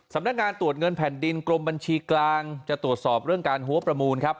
สำนักงานตรวจเงินแผ่นดินกรมบัญชีกลางจะตรวจสอบเรื่องการหัวประมูลครับ